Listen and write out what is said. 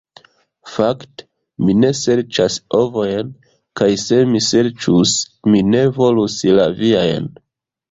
"Fakte, mi ne serĉas ovojn; kaj se mi serĉus, mi ne volus la viajn.